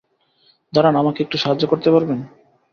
দাঁড়ান আমাকে একটু সাহায্য করতে পারবেন?